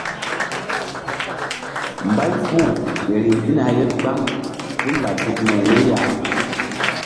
Mbay puh ke riŋ ɗina ye gbam hul laɓ hekme ye ya.